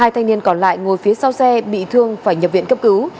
hai thanh niên còn lại ngồi phía sau xe bị thương phải nhập viện cấp cứu